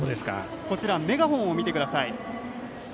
こちら、メガホンを見てください。